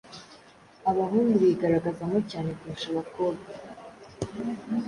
abahungu bigaragazamo cyane kurusha abakobwa.